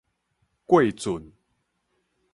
過圳